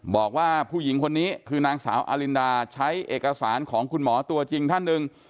บอกว่าผู้หญิงคนนี้คือนางสาวอลินดาใช้เอกสารของคุณหมอตัวจริงท่านหนึ่ง